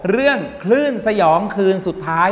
เรื่องคลื่นสยองคืนสุดท้าย